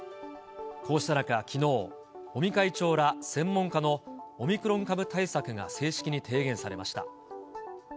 こうした中、きのう、尾身会長ら専門家のオミクロン株対策が正式に提言されました。